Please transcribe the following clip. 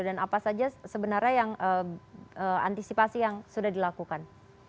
dan apa saja sebenarnya yang antisipasi yang sudah dilakukan